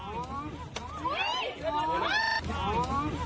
เฮ้ยมันโดนตัว